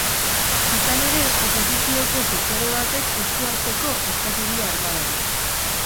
Izan ere, oposizioko sektore batek esku hartzeko eskatu dio armadari.